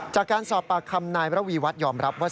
จากการสอบปากคำนายระวีวัฒน์ยอมรับว่า